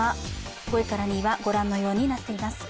５位から２位はご覧のようになっています。